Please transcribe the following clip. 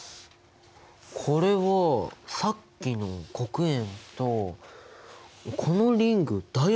これはさっきの黒鉛とこのリングダイヤモンド？